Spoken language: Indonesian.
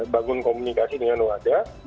bangun komunikasi dengan wadah